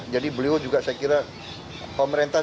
jadi beliau juga saya kira pemerintah